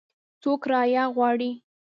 څو کرایه غواړي ؟